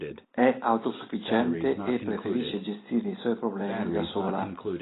È autosufficiente e preferisce gestire i suoi problemi da sola.